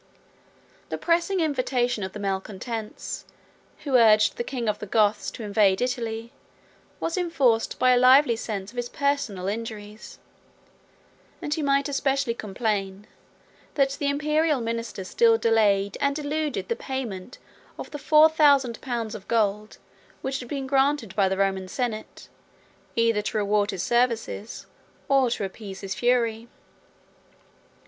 The pressing invitation of the malecontents, who urged the king of the Goths to invade Italy, was enforced by a lively sense of his personal injuries; and he might especially complain, that the Imperial ministers still delayed and eluded the payment of the four thousand pounds of gold which had been granted by the Roman senate, either to reward his services, or to appease his fury.